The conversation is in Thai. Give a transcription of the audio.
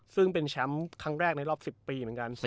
ซึ่งเป็นแชมป์ครั้งแรกในรอบ๑๐ปีเหมือนกัน